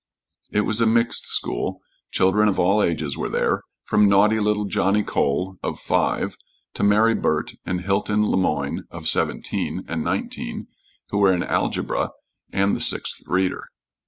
It was a mixed school. Children of all ages were there, from naughty little Johnnie Cole of five to Mary Burt and Hilton Le Moyne of seventeen and nineteen, who were in algebra and the sixth reader.